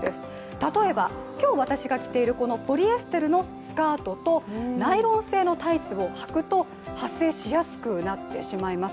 例えば、今日私が着ているポリエステルのスカートとナイロン製のタイツをはくと発生しやすくなってしまいます。